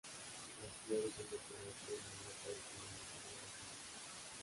Las flores son de color crema y aparecen en las areolas mayores.